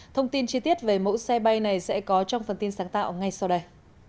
thông tin chi tiết về mẫu xe bay này sẽ có trong phần tin sáng tạo ngay sau đây